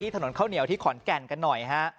ถนนข้าวเหนียวที่ขอนแก่นกันหน่อยฮะ